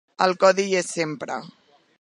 El codi hi és sempre.